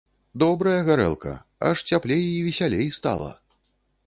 Добрая гарэлка, аж цяплей і весялей стала.